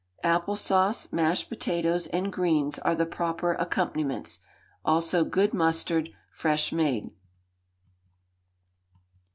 Apple sauce, mashed potatoes, and greens are the proper accompaniments, also good mustard, fresh made.